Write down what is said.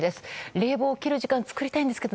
冷房を切る時間作りたいんですけど